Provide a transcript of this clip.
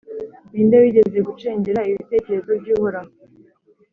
Ni nde wigeze gucengera ibitekerezo by’Uhoraho,